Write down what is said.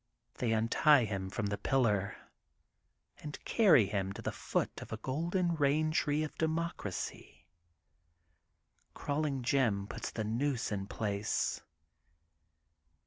They untie him from the pil lar, and carry him to the foot of a Golden Bain Tree of Democracy! Crawling Jim puts the noose in place.